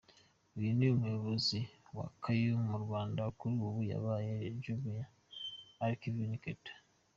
Uyu ni umuyobozi wa Kaymu mu Rwanda, kuri ubu yabaye Jumia, Alvin Katto.